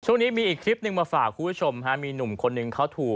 ช่วงนี้มีอีกคลิปหนึ่งมาฝากคุณผู้ชมฮะมีหนุ่มคนหนึ่งเขาถูก